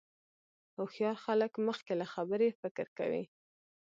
هوښیار خلک مخکې له خبرې فکر کوي.